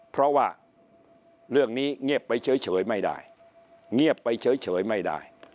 เพราะว่าเรื่องนี้เงียบไปเฉยไม่ได้เงียบไปเฉยไม่ได้